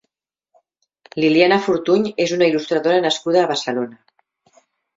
Liliana Fortuny és una il·lustradora nascuda a Barcelona.